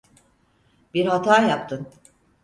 Bir hata yaptın.